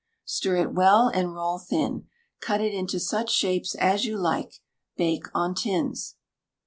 Stir it well, and roll thin; cut it into such shapes as you like. Bake on tins.